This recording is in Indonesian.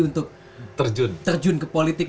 untuk terjun ke politik